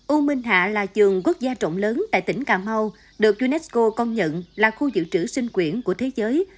u minh hạ là trường quốc gia trọng lớn tại tỉnh cà mau được unesco công nhận là khu dự trữ sinh quyển của thế giới